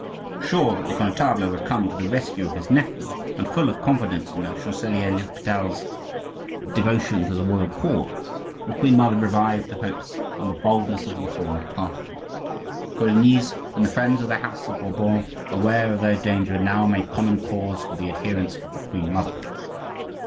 Sure that the Connetable would come to the rescue of his nephew, and full of confidence in the Chancelier l'Hopital's devotion to the royal cause, the queen mother revived the hopes and the boldness of the Reformed party. The Colignys and the friends of the house of Bourbon, aware of their danger, now made common cause with the adherents of the queen mother.